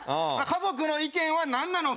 家族の意見はなんなの？